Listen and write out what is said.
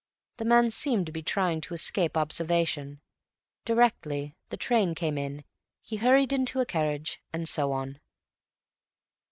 The man seemed to be trying to escape observation. Directly the train came in, he hurried into a carriage. And so on.